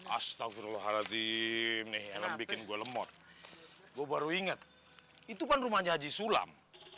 astagfirullahaladzim nih bikin gue lemot gue baru inget itu kan rumahnya haji sulam